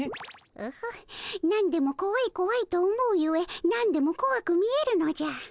オホッ何でもこわいこわいと思うゆえ何でもこわく見えるのじゃ。